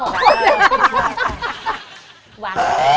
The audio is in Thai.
นิวขาด